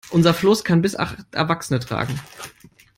Unser Floß kann bis zu acht Erwachsene tragen.